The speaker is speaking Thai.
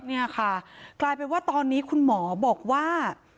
เนี่ยค่ะกลายเป็นว่าตอนนี้คุณหมอบอกว่า